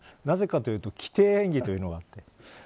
なぜかというと規定演技というのがあった。